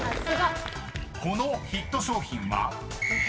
［このヒット商品は？］